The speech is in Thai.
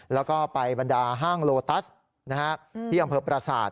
แล้วก็ไปบรรดาห้างโลตัสที่อำเภอประสาท